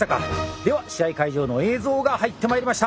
では試合会場の映像が入ってまいりました。